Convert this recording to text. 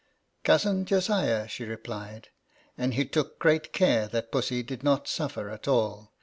" Cousin Josiah," she replied ;" and he took great care that Pussy did not suffer at all.